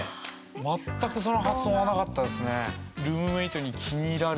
全くその発想はなかったですね。